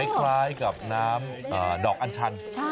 คล้ายกับน้ำดอกอัญชัน